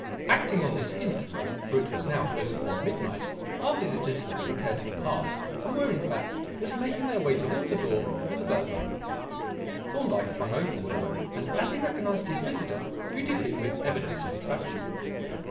Acting on this hint for it was now close upon midnight our visitors prepared to depart; and were, in fact, just making their way towards the door when the bell rang. Thorndyke flung open the door, and, as he recognized his visitor, greeted him with evident satisfaction.